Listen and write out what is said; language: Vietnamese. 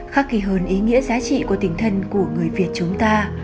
khác kỳ hơn ý nghĩa giá trị của tỉnh thần của người việt chúng ta